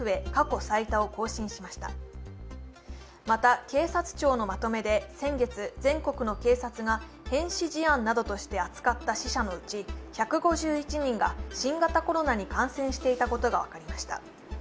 また警察庁のまとめで先月、全国の警察が変死事案などとして扱った死者のうち１５１人が新型コロナに感染していたことが分かりました。